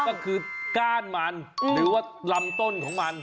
ก็คือก้านมันหรือว่าลำต้นของมัน